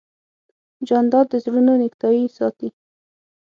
جانداد د زړونو نېکتایي ساتي.